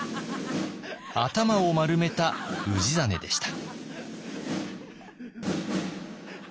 頭を丸めた氏真でした。